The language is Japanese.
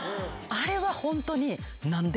あれはホントに何で？